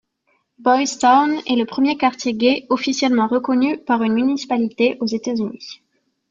Boystown est le premier quartier gai officiellement reconnu par une municipalité aux États-Unis.